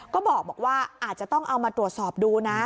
ก็บอกว่าอาจจะต้องเอามาตรวจสอบดูนะ